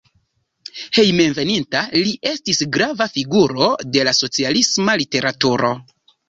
Hejmenveninta li estis grava figuro de la socialisma literaturo.